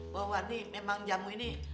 bahwa ini memang jamu ini